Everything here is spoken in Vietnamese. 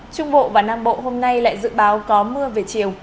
trung bộ và nam bộ hôm nay lại dự báo có mưa về chiều